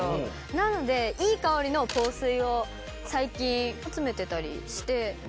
なのでいい香りの香水を最近集めてたりして。